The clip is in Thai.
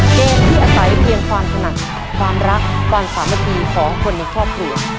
เกมที่อาศัยเพียงความถนัดความรักความสามัคคีของคนในครอบครัว